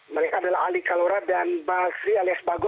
mereka adalah ali kalora dan basri alias bago